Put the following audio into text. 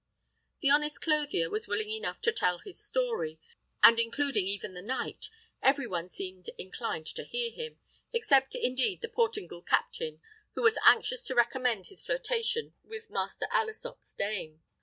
The honest clothier was willing enough to tell his story, and, including even the knight, every one seemed inclined to hear him, except indeed the Portingal captain, who was anxious to recommence his flirtation with Master Alesop's dame.